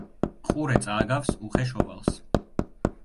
ყურე წააგავს უხეშ ოვალს.